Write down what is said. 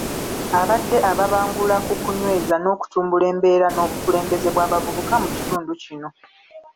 Abadde ababangula ku kunyweza n'okutumbula embeera n'obukulembeze bw'abavubuka mu kitundu kino.